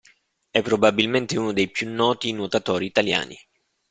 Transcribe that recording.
È probabilmente uno dei più noti nuotatori italiani.